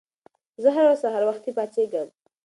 زه هره ورځ سهار وختي پاڅېږم.